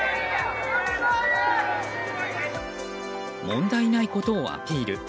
問題ないことをアピール。